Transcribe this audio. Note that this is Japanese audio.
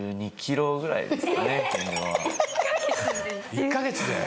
１ヵ月で？